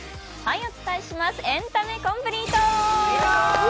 お伝えします、「エンタメコンプリート」。